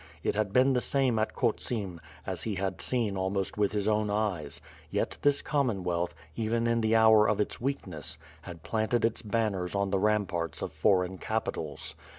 It had been the same at Khotsim, as he had seen almost with his own eyes; yet this Commonwealth, even in the hour of its weakness, had planted its banners on the ramparts of foreign capitals.